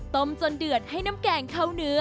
จนเดือดให้น้ำแกงเข้าเนื้อ